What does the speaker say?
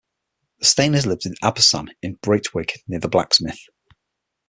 The Stainers lived in Absam in "Breitweg" near the blacksmith.